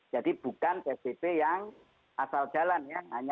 bukan psbb yang asal jalan ya